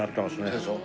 そうでしょ。